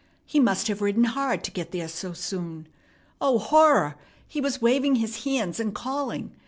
He must have ridden hard to get there so soon. Oh, horror! He was waving his hands and calling.